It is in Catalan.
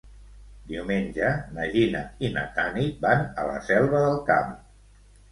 Diumenge na Gina i na Tanit van a la Selva del Camp.